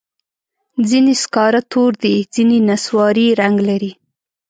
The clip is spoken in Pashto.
ځینې سکاره تور دي، ځینې نسواري رنګ لري.